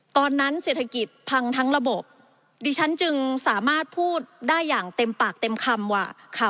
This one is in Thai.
ตอนนั้นเศรษฐกิจพังทั้งระบบดิฉันจึงสามารถพูดได้อย่างเต็มปากเต็มคำว่าค่ะ